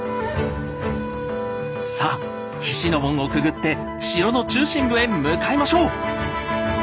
さあ菱の門をくぐって城の中心部へ向かいましょう！